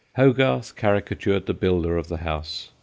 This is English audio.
Hogarth caricatured the builder of the house.